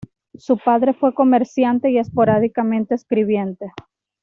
Su padre fue comerciante y esporádicamente escribiente.